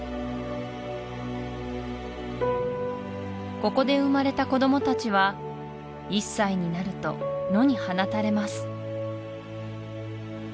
ここで生まれた子どもたちは１歳になると野に放たれます